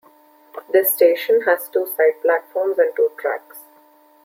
This station has two side platforms and two tracks.